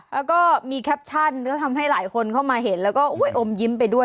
แล้วก็มีแคปชั่นก็ทำให้หลายคนเข้ามาเห็นแล้วก็อมยิ้มไปด้วย